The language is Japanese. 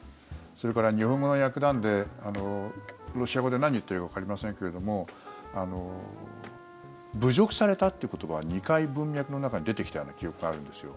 それから日本語の訳なんでロシア語で何言ってるかわかりませんけれども侮辱されたっていう言葉が２回、文脈の中に出てきたような記憶があるんですよ。